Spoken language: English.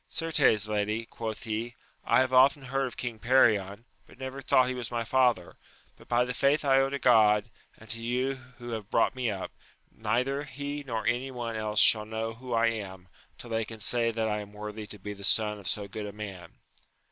Certes, lady, quoth he, I have often heard of King Perion, but never thought her was my father ; but by the faith I owe to God, and to you who have brought me up, neither he nor any one else shall know who I am, tiU they can say that I am worthy to be the son of so good a man.